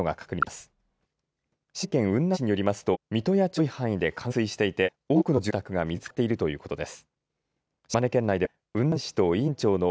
島根県雲南市によりますと三刀屋町では広い範囲で冠水していて多くの住宅が水につかっているということです。